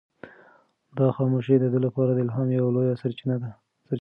دا خاموشي د ده لپاره د الهام یوه لویه سرچینه وه.